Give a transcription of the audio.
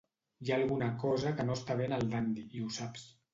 Hi ha alguna cosa que no està bé en el Dandy i ho saps.